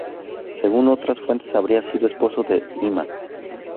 Según otras fuentes habría sido esposo de Ima.